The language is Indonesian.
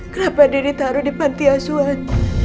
kenapa dia ditaro di pantai asuhan